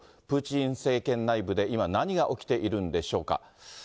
プーチン政権内部で今、何が起きているんでしょうか。